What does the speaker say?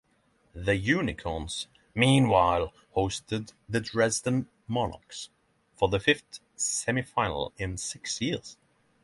The Unicorns meanwhile hosted the Dresden Monarchs for the fifth semifinal in six years.